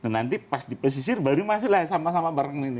nanti pas dipesisir baru masuk sama sama bareng